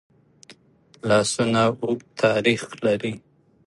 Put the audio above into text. لاسونه اوږد تاریخ لري